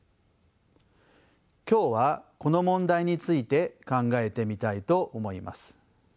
今日はこの問題について考えてみたいと思います。